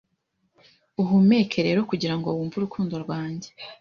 Uhumeke rero kugirango wumve urukundo rwanjye